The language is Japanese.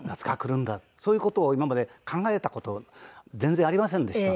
そういう事を今まで考えた事全然ありませんでした。